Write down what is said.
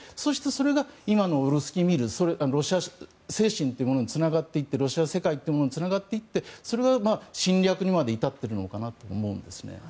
、それが今のロシア精神というものにつながっていってロシア世界というものにつながっていってそれが侵略にまで至ってるのかなと思うんですね。